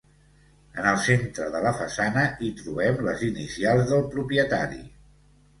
En el centre de la façana hi trobem les inicials del propietari.